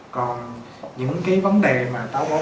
còn những cái vấn đề mà táo bón